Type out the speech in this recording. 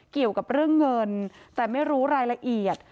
เกี่ยวกับเรื่องเงินแต่ไม่รู้รายละเอียด